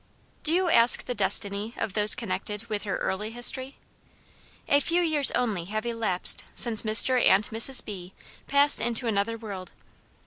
Do you ask the destiny of those connected with her EARLY history? A few years only have elapsed since Mr. and Mrs. B. passed into another world.